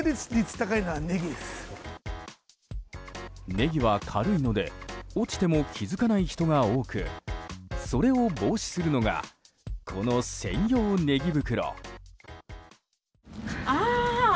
ネギは軽いので落ちても気づかない人が多くそれを防止するのがこの専用ねぎ袋。